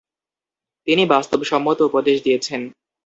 তিনি বাস্তবসম্মত উপদেশ দিয়েছেন।